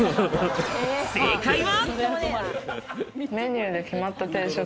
正解は？